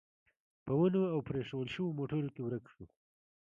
په ونو او پرېښوول شوو موټرو کې ورک شو.